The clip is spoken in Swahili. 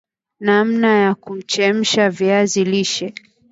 namna ya kuchemsha viazi lishe